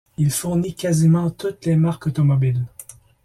Il fournit quasiment toutes les marques automobiles.